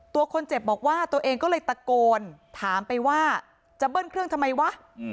ตัวคนเจ็บบอกว่าตัวเองก็เลยตะโกนถามไปว่าจะเบิ้ลเครื่องทำไมวะ